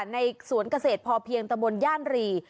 ในสวนเกษตรพอเพียงตะบนย่านรี